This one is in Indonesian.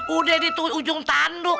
udah di ujung tanduk